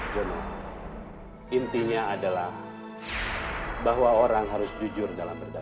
jono intinya adalah bahwa orang harus jujur dalam berdagang